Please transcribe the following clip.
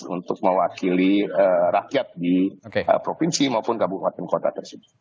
untuk mewakili rakyat di provinsi maupun kabupaten kota tersebut